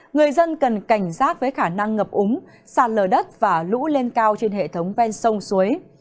người dân cần cảnh giác với khả năng ngập úng sạt lở đất và lũ lên cao trên hệ thống ven sông suối